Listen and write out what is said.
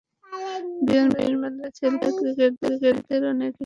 বিমানে, বিমানবন্দরে সেলফি তুলে ক্রিকেটারদের অনেকেই সেগুলো পোস্ট করেছেন ফেসবুক, টুইটারে।